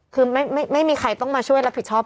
คือไม่มีใครต้องมาช่วยรับผิดชอบ